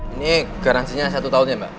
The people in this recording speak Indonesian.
ini garansinya satu tahun ya mbak